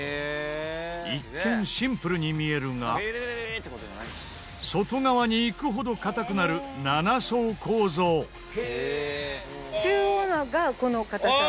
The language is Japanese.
一見シンプルに見えるが外側に行くほど硬くなる中央がこの硬さ。